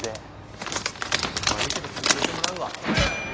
悪いけどつぶれてもらうわ